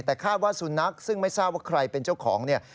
แต่คาดว่าสุนัขซึ่งไม่ทราบว่าใครเป็นเจ้าของเนี่ย